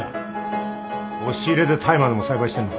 押し入れで大麻でも栽培してんのか。